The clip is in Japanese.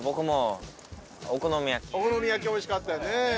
お好み焼きおいしかったよね。